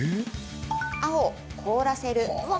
青・凍らせる。